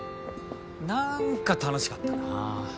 何か楽しかったな。